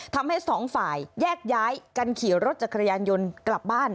ทำให้สองฝ่ายแยกย้ายกันขี่รถจักรยานยนต์กลับบ้าน